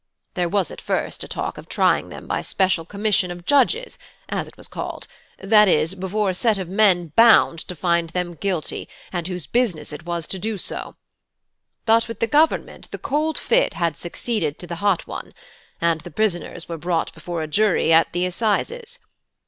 There was at first a talk of trying them by a special commission of judges, as it was called i.e., before a set of men bound to find them guilty, and whose business it was to do so. But with the Government the cold fit had succeeded to the hot one; and the prisoners were brought before a jury at the assizes.